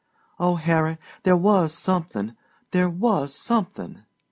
Oh, Harry, there was something, there was something!